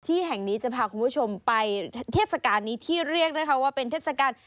ที่แห่งนี้จะพาคุณผู้ชมไปเทศกาลนี้ที่เรียกนะคะว่าเป็นเทศกาล